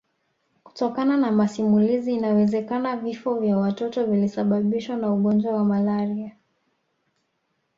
Kutokana na masimulizi inawezekana vifo vya watoto vilisababishwa na ugonjwa wa malaria